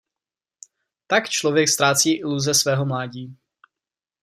Tak člověk ztrácí iluze svého mládí.